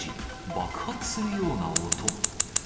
爆発するような音。